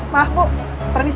maaf bu permisi